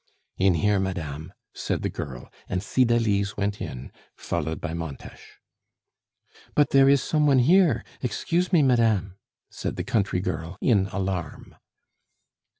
"In here, madame," said the girl; and Cydalise went in, followed by Montes. "But there is some one here. Excuse me, madame," said the country girl, in alarm.